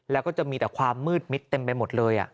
แล้วก็จะมีแต่ความมืดมิดเต็มไปหมดเลย